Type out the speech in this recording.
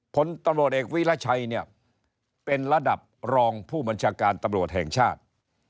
ผลตำรวจเอกวิรัชัยเนี่ยเป็นระดับรองผู้บัญชาการตำรวจแห่งชาติ